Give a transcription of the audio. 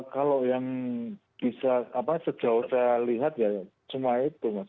kalau yang bisa sejauh saya lihat ya semua itu mas